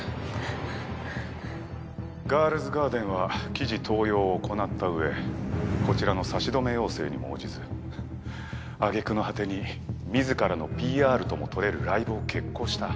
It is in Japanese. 『ガールズガーデン』は記事盗用を行ったうえこちらの差し止め要請にも応じず挙句の果てに自らのＰＲともとれるライブを決行した。